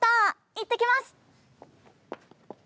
行ってきます！